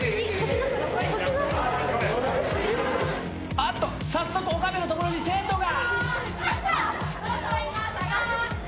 あっと早速岡部の所に生徒が！